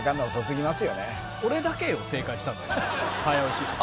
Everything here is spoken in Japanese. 早押し